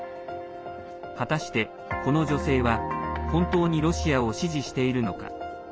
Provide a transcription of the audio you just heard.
果たして、この女性は本当にロシアを支持しているのか。